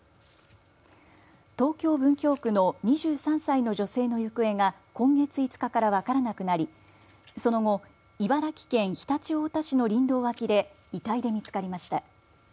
東京、文京区の２３歳の女性の行方が今月５日から分からなくなりその後、茨城県常陸太田市の林道脇で遺体で見つかりました。